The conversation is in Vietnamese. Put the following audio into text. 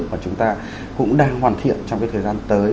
và chúng ta cũng đang hoàn thiện trong cái thời gian tới